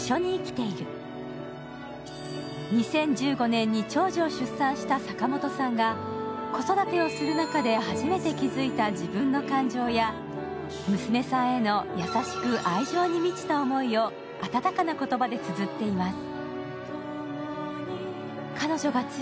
２０１５年に長女を出産した坂本さんが子育てをする中で初めて気付いた自分の感情や娘さんへの優しく愛情に満ちた思いを温かな言葉でつづっています。